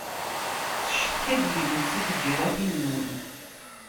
Teccetka-d yiwet si tǧiratin-nwen.